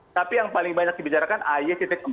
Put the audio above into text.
tapi yang paling banyak dibicarakan ay empat